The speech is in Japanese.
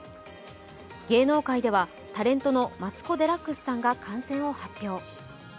芸能界ではタレントのマツコ・デラックスさんが感染を発表。